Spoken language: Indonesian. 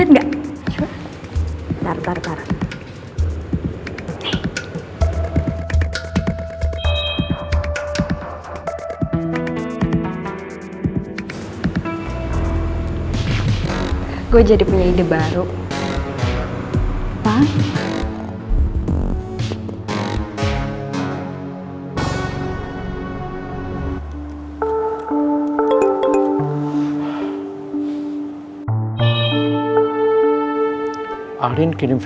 ini buktinya kalau seorang ini udah gagal